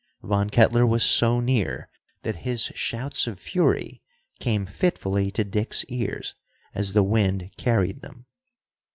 Von Kettler was so near that his shouts of fury came fitfully to Dick's ears as the wind carried them.